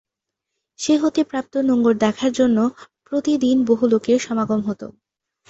সে হতে প্রাপ্ত নোঙ্গর দেখার জন্য প্রতিদিন বহু লোকের সমাগম হত।